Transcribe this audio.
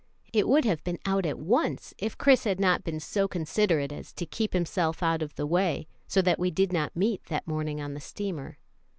It would have been out at once if Chris had not been so considerate as to keep himself out of the way, so that we did not meet that morning on the steamer.